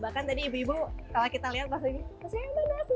bahkan tadi ibu ibu kalau kita lihat pasti ya ada mas rian